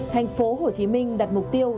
thành phố hồ chí minh đặt mục tiêu